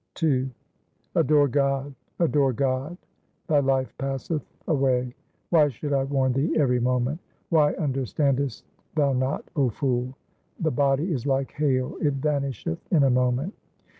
II Adore God, adore God ; thy life passeth away. Why should I warn thee every moment ? why under standest thou not, 0 fool ? The body is like hail, it vanisheth in a moment.